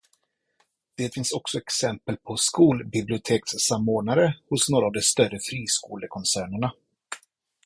Det finns också exempel på skolbibliotekssamordnare hos några av de större friskolekoncernerna.